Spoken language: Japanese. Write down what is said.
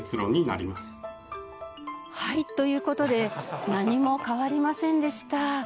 はいという事で何も変わりませんでした。